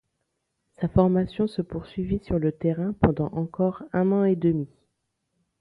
Sa formation se poursuivit sur le terrain pendant encore un an et demi.